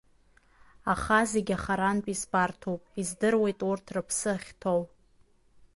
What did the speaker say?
Аха зегь ахарантә избарҭоуп, издыруеит урҭ рыԥсы ахьҭоу…